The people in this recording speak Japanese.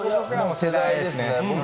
僕も世代ですね